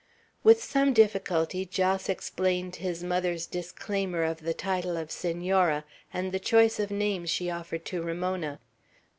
With some difficulty Jos explained his mother's disclaimer of the title of Senora, and the choice of names she offered to Ramona.